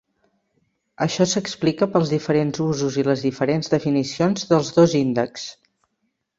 Això s"explica pels diferents usos i les diferents definicions dels dos índexs.